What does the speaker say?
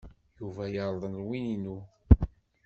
Yuba yerḍel win-inu.